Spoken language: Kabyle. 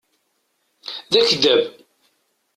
D akeddab.